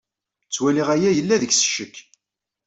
Ttwaliɣ aya yella deg-s ccek.